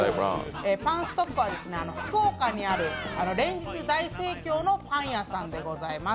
パンストックは福岡にある連日大盛況のパン屋さんでございます。